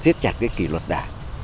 xiết chặt cái kỷ luật đảng